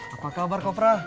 apa kabar kopra